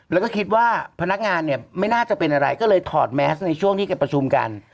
แล้วก็คิดว่าพนักงานเนี่ยไม่น่าจะเป็นอะไรก็เลยถอดแมสในช่วงที่จะประชุมกัน